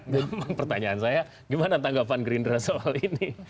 memang pertanyaan saya gimana tanggapan gerindra soal ini